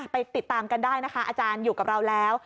ติดตามกันได้นะคะอาจารย์อยู่กับเราแล้ว